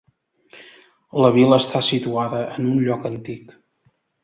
La vila està situada en un lloc antic.